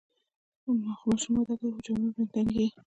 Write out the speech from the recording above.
خو ماشوم وده کوي او جامې ورباندې تنګیږي.